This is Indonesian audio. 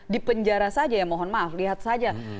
di penjara saja ya mohon maaf lihat saja